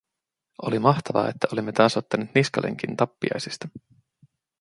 Oli mahtavaa, että olimme taas ottaneet niskalenkin tappiaisista.